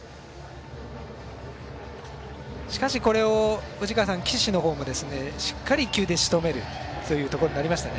しかし、これを岸の方もしっかり２球でしとめるという形になりましたね。